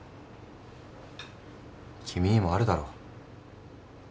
君にもあるだろ。